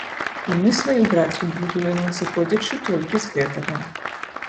І мы сваю працу будуем зыходзячы толькі з гэтага.